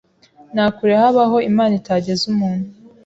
nta kure habaho Imana itageza umuntu